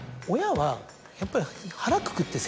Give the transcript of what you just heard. やっぱり腹くくって。